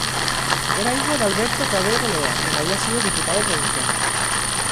Era hijo de Alberto Cavero Lea, quien había sido diputado provincial.